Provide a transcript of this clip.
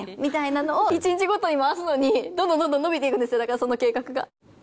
１日ごとに回すのにどんどんどんどん延びていくんですよ、その計画が。